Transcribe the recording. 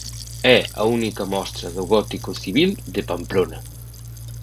É a única mostra do gótico civil de Pamplona.